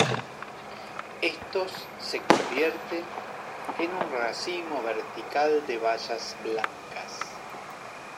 Estos se convierten en un racimo vertical de bayas blancas.